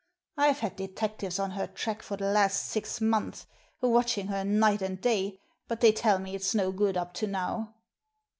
I've had detectives on her track for the last six months, watching her night and day, but they tell me it's no good up to now."